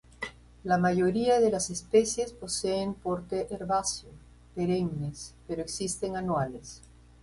La mayoría de las especies poseen porte herbáceo, perennes, pero existen anuales.